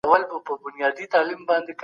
که قواعد نه وي ژوند ګران دی.